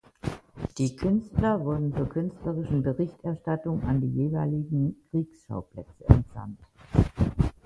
Die Künstler wurden zur künstlerischen Berichterstattung an die jeweiligen Kriegsschauplätze entsandt.